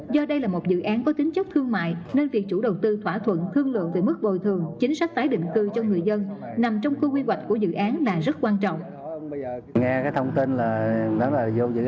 do đây là một dự án có tính chất thương mại